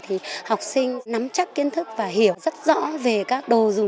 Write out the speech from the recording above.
thì học sinh nắm chắc kiến thức và hiểu rất rõ về các đồ dùng